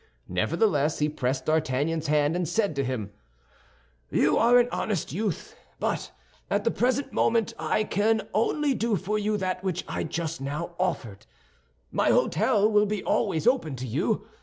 Nevertheless, he pressed D'Artagnan's hand, and said to him: "You are an honest youth; but at the present moment I can only do for you that which I just now offered. My hôtel will be always open to you.